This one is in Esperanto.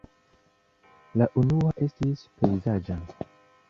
La unua estis pejzaĝa.